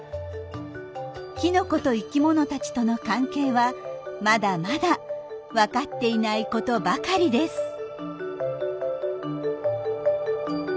きのこと生きものたちとの関係はまだまだわかっていないことばかりです。